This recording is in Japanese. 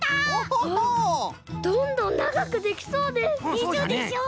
でしょでしょ。